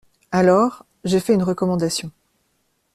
Alors, j’ai fait une recommandation.